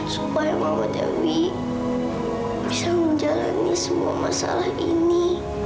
supaya mama dewi bisa menjalani semua masalah ini